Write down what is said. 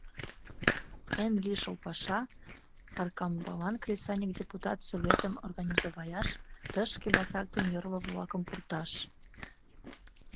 Эн лишыл паша — Аркамбалан Кресаньык Депутат Советым организоваяш, тышке батрак ден йорло-влакым пурташ.